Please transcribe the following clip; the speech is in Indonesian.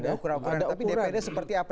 ada ukuran kurang tapi dprd seperti apa